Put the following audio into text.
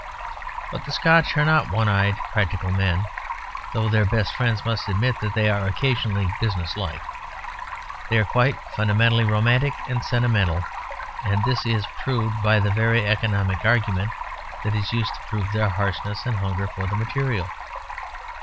But the Scotch are not one eyed practical men, though their best friends must admit that they are occasionally business like. They are, quite fundamentally, romantic and sentimental, and this is proved by the very economic argument that is used to prove their harshness and hunger for the material.